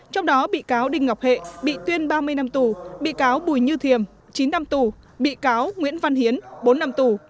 trong đó bị cáo đinh ngọc hệ bị tuyên ba mươi năm tù bị cáo bùi như thiềm chín năm tù bị cáo nguyễn văn hiến bốn năm tù